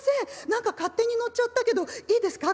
何か勝手に乗っちゃったけどいいですか？